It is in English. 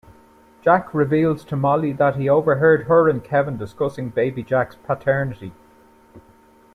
Jack reveals to Molly that he overheard her and Kevin discussing baby Jack's paternity.